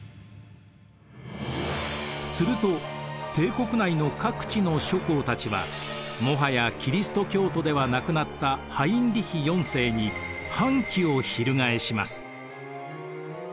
すると帝国内の各地の諸侯たちはもはやキリスト教徒ではなくなったハインリヒ４世に反旗を翻します。